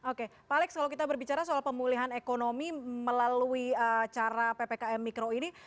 oke pak alex kalau kita berbicara soal pemulihan ekonomi melalui cara ppkm mikro ini